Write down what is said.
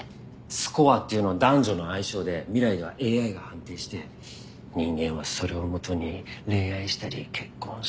スコアっていうのは男女の相性で未来ではＡＩが判定して人間はそれを基に恋愛したり結婚したり。